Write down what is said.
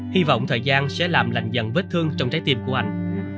hy vọng thời gian sẽ làm lạnh dần vết thương trong trái tim của anh